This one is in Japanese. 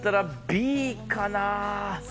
Ｂかな？